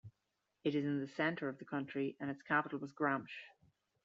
It is in the centre of the country, and its capital was Gramsh.